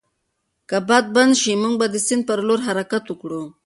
که باد بند شي، موږ به د سیند پر لور حرکت وکړو.